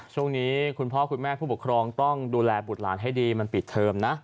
ช่วงนี้คุณพ่อคุณแม่ผู้ปกครองต้องดูแลบุตรหลานให้ดีมันปิดเทอมนะ